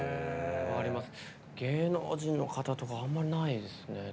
芸能人の方とかあまりないですね。